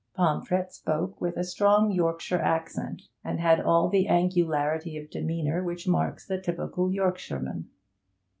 Pomfret spoke with a strong Yorkshire accent, and had all the angularity of demeanour which marks the typical Yorkshireman.